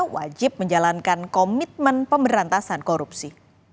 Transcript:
wajib menjalankan komitmen pemberantasan korupsi